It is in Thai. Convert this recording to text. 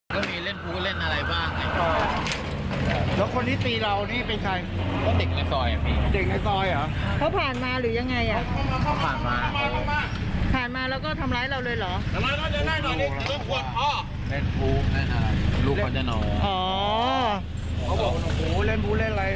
เขาจะนอนเขาเล่ากับเมียพี่